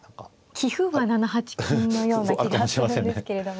棋風は７八金のような気がするんですけれども。